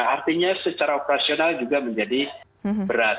artinya secara operasional juga menjadi berat